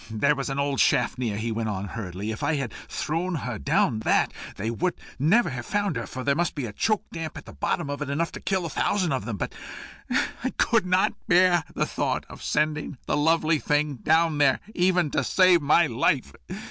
"There was an old shaft near," he went on, hurriedly. "If I had thrown her down that, they would never have found her, for there must be choke damp at the bottom of it enough to kill a thousand of them. But I could not bear the thought of sending the lovely thing down there even to save my life."